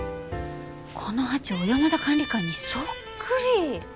このハチ小山田管理官にそっくり！